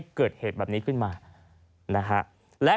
พร้อมกับหยิบมือถือขึ้นไปแอบถ่ายเลย